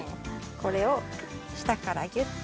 これを下からギュっと。